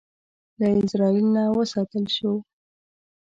له ازرائیل نه وساتل شو.